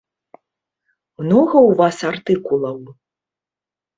Многа ў вас артыкулаў?